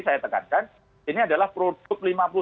saya tekankan ini adalah produk